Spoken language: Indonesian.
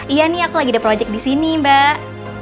iya nih aku lagi ada project di sini mbak